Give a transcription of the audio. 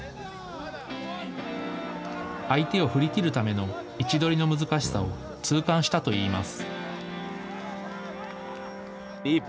相手を振り切るための位置取りの難しさを痛感したといいます。